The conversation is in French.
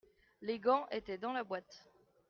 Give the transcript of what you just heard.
les gants étaient dans la boîte.